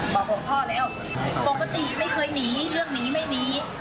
บอกพ่อแล้วปกติไม่เคยหนีเรื่องหนีไม่หนี